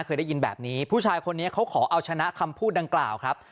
เคยได้ยินแบบนี้ผู้ชายคนนี้เขาขอเอาชนะคำพูดดังกล่าวครับ